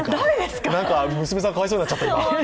娘さん、かわいそうになっちゃった、今。